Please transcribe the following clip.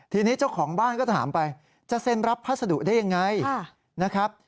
ทีนี้เจ้าของบ้านก็ถามไปจะเซ็นรับพัสดุได้ยังไงนะครับ